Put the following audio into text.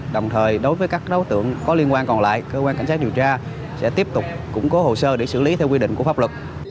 đồng thời đối với các đối tượng có liên quan còn lại cơ quan cảnh sát điều tra sẽ tiếp tục củng cố hồ sơ để xử lý theo quy định của pháp luật